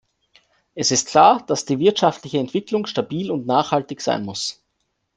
Es ist klar, dass die wirtschaftliche Entwicklung stabil und nachhaltig sein muss.